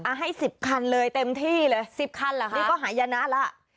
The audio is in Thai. ให้๑๐คันเลยเต็มที่เลย๑๐คันเหรอคะนี่ก็หายนะแล้ว